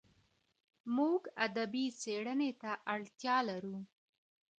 موږ ادبي څېړني ته اړتیا لرو.